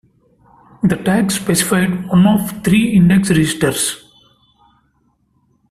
The tag specified one of three index registers.